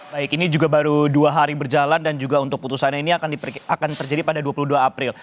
baik ini juga baru dua hari berjalan dan juga untuk putusannya ini akan terjadi pada dua puluh dua april